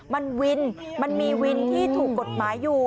มันวินมันมีวินที่ถูกกฎหมายอยู่